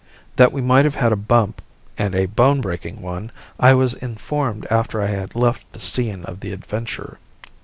That we might have had a bump, and a bone breaking one, I was informed after I had left the scene of the adventure.